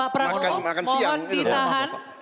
pak pramowo mohon ditahan